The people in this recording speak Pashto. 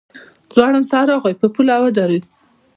ځوړند سر راغی په پوله ودرېد.